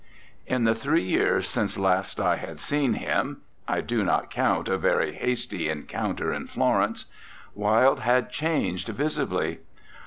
In the three years since last I had seen him I do not count a very hasty encounter in Florence Wilde had changed visibly.